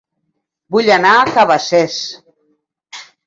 Vull anar a Cabacés